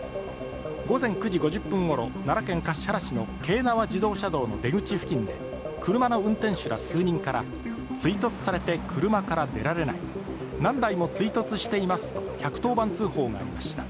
午前９時５０分ごろ、奈良県橿原市の京奈和自動車道の出口付近で車の運転手ら数人から追突されて車から出られない、何台も追突していますと１１０番通報がありました。